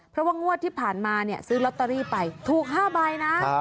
เพราะว่างวดที่ผ่านมาเนี่ยซื้อลอตเตอรี่ไปถูก๕ใบนะ